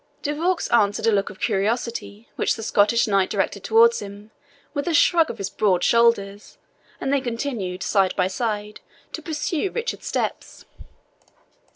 De Vaux answered a look of curiosity, which the Scottish knight directed towards him, with a shrug of his broad shoulders, and they continued, side by side, to pursue Richard's steps.